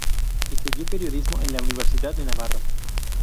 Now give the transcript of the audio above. Estudió periodismo en la Universidad de Navarra.